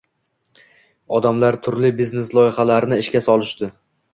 Odamlar turli biznes loyihalarini ishga solishdi